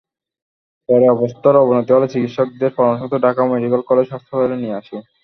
পরে অবস্থার অবনতি হলে চিকিৎসকদের পরামর্শমতো ঢাকা মেডিকেল কলেজ হাসপাতালে নিয়ে আসি।